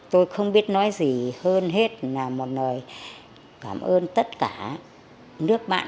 tôi không biết nói gì hơn hết là một lời cảm ơn tất cả nước bạn